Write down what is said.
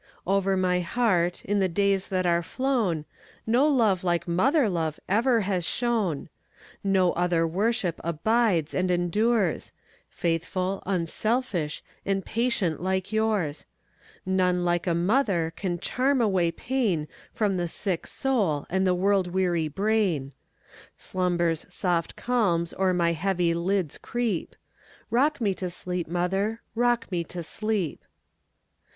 Over my heart, in the days that are flown, No love like mother love ever has shone; No other worship abides and endures,—Faithful, unselfish, and patient like yours:None like a mother can charm away painFrom the sick soul and the world weary brain. Slumber's soft calms o'er my heavy lids creep;—Rock me to sleep, mother,—rock me to sleep!